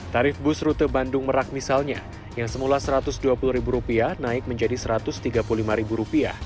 tarif bus rute bandung merak misalnya yang semula rp satu ratus dua puluh naik menjadi rp satu ratus tiga puluh lima